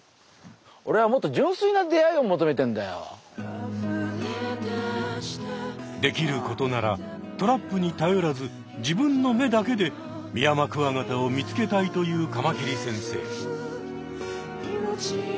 オレはもっとできることならトラップに頼らず自分の目だけでミヤマクワガタを見つけたいというカマキリ先生。